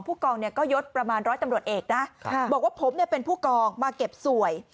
ประมาณร้อยตำรวจเอกนะบอกว่าผมเนี่ยเป็นผู้กองมาเก็บสวย